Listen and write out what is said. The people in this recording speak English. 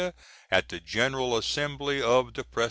at the Gen. Assem. of the Pres.